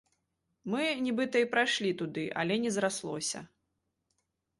Мы нібыта і прайшлі туды, але не зраслося.